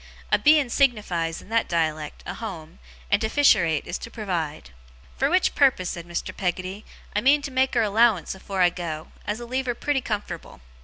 (A Beein' signifies, in that dialect, a home, and to fisherate is to provide.) 'Fur which purpose,' said Mr. Peggotty, 'I means to make her a 'lowance afore I go, as'll leave her pretty comfort'ble.